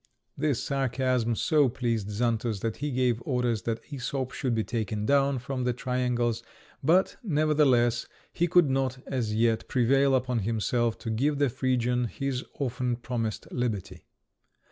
This sarcasm so pleased Xantus that he gave orders that Æsop should be taken down from the triangles; but, nevertheless, he could not as yet prevail upon himself to give the Phrygian his often promised liberty.